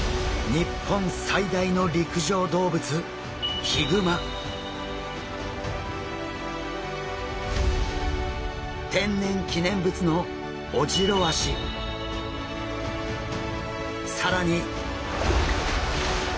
日本最大の陸上動物天然記念物の更に！